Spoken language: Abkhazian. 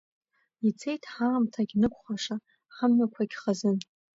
Ицеит ҳаамҭагь нықәхәаша, ҳамҩақәагь хазын.